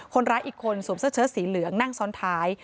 คนร้ายอีกคนสวมเสื้อเชิดสีเหลืองนั่งซ้อนท้าย